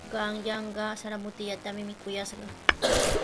Qanyanqa sara mutillatami mikuyashqaa.